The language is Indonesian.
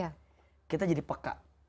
jadi kita jadi peka